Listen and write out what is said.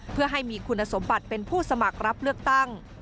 เพื่อให้มีคุณสมบัติเป็นผู้สมัครรับเลือกตั้ง